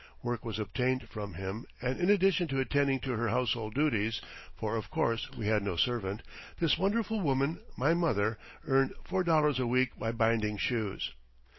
Work was obtained from him, and in addition to attending to her household duties for, of course, we had no servant this wonderful woman, my mother, earned four dollars a week by binding shoes.